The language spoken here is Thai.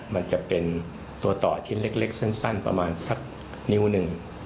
มันจะเป็นตัวต่อชิ้นเล็กสั้นประมาณสักนิ้วหนึ่ง